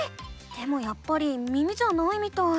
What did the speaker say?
でもやっぱり耳じゃないみたい。